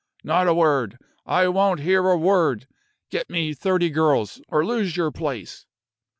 Not a word! I won't hear a word! Get me my thirty girls, or lose your place."